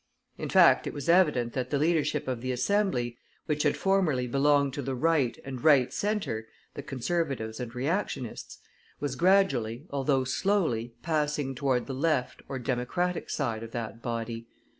In fact, it was evident that the leadership of the Assembly, which had formerly belonged to the Right and Right Centre (the Conservatives and Reactionists), was gradually, although slowly, passing toward the Left or Democratic side of that body.